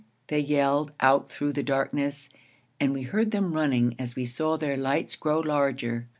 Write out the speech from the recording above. they yelled out through the darkness, and we heard them running as we saw their lights grow larger.